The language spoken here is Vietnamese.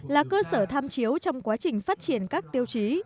là cơ sở tham chiếu trong quá trình phát triển các tiêu chí